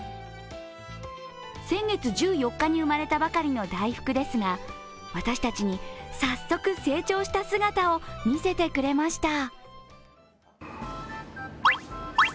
先月１４日に生まれたばかりのだいふくですが、私たちに早速、成長した姿を見せてくれました。